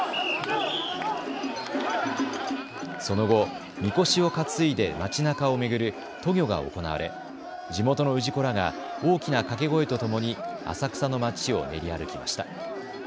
その後、みこしを担いで街なかを巡る渡御が行われ地元の氏子らが大きな掛け声とともに浅草の街を練り歩きました。